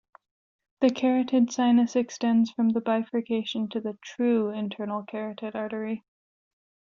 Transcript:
The carotid sinus extends from the bifurcation to the "true" internal carotid artery.